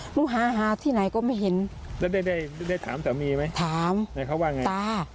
หนูหาหาที่ไหนก็ไม่เห็นแล้วได้ได้ถามสามีไหมถามนะครับว่าไงตา